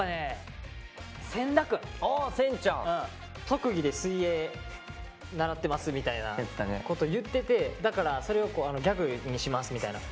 特技で水泳習ってますみたいなこと言っててだからそれをギャグにしますみたいな。